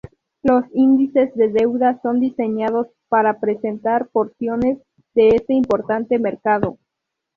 Los índices de deuda son diseñados para representar porciones de este importante mercado.